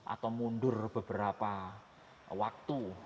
atau mundur beberapa waktu